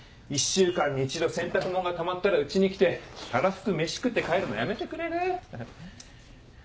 １週間に一度洗濯物がたまったら家に来てたらふくメシ食って帰るのやめてくれる？